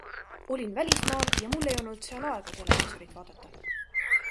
Olin välismaal ja mul ei olnud seal aega televiisorit vaadata.